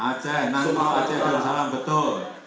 aceh nantung aceh darussalam betul